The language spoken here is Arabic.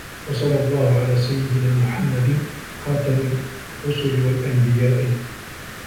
وَصَلَّى اللَّهُ عَلَى سَيِّدِنَا مُحَمَّدٍ خَاتَمِ الرُّسُلِ وَالْأَنْبِيَاءِ